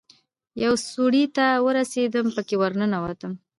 يوې سوړې ته ورسېدم پکښې ورننوتم.